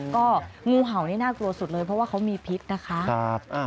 ก็งูเห่านี่น่ากลัวสุดเลยเพราะว่าเขามีพิษนะคะ